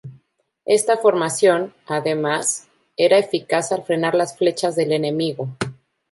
Esta formación, además, era eficaz al frenar las flechas del enemigo.